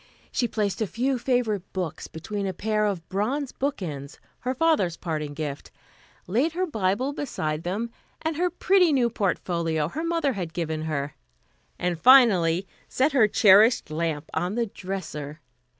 She placed a few favorite books between a pair of bronze bookends, her father's parting gift; laid her Bible beside them, and her pretty new portfolio her mother had given her; and finally set her cherished lamp on the dresser.